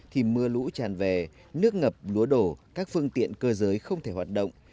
thì mưa lũ tràn về nước ngập lúa đổ các phương tiện cơ giới không thể hoạt động